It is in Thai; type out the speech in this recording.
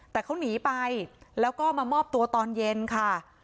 แต่เขาหนีไปแล้วก็มามอบตัวตอนเย็นค่ะ